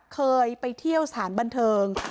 เคยไปเที่ยวสถานบันเทิง